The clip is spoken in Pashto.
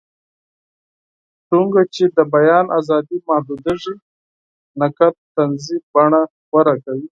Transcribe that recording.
څومره چې د بیان ازادي محدودېږي، نقد طنزي بڼه غوره کوي.